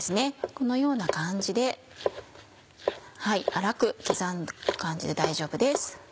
このような感じで粗く刻む感じで大丈夫です。